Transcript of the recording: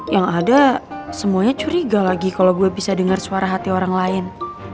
yang ada semuanya curiga lagi kalau gue bisa dengar suara hati orang lain